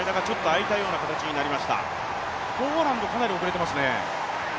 ポーランドかなり遅れてますね。